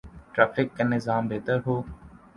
Traffic کا نظام بہتر ہو۔